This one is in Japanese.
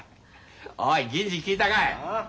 おい銀次聞いたかい。ああ？